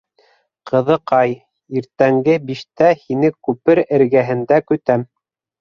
Ҡыҙыҡай, иртәнге биштә һине күпер эргәһендә көтәм.